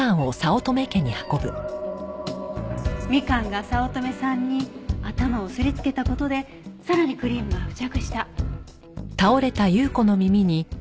みかんが早乙女さんに頭をすりつけた事でさらにクリームが付着した。